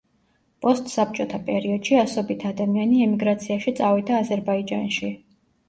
პოსტსაბჭოთა პერიოდში ასობით ადამიანი ემიგრაციაში წავიდა აზერბაიჯანში.